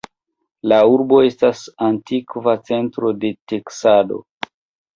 La urbo estas antikva centro de teksado.